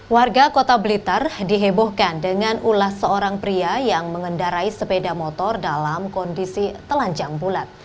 warga kota blitar dihebohkan dengan ulas seorang pria yang mengendarai sepeda motor dalam kondisi telanjang bulat